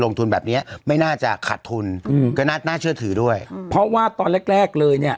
ทุนแบบเนี้ยไม่น่าจะขาดทุนอืมก็น่าเชื่อถือด้วยเพราะว่าตอนแรกแรกเลยเนี้ย